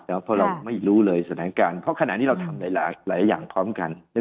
เพราะเราไม่รู้เลยสถานการณ์เพราะขณะนี้เราทำหลายอย่างพร้อมกัน